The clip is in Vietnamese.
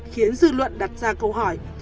khiến dư luận đặt ra câu hỏi